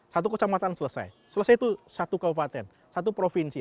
satu kecamatan selesai selesai itu satu kabupaten satu provinsi